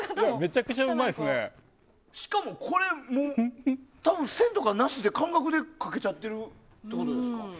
しかもこれ、線とかなくて感覚で描けちゃってるってことですか？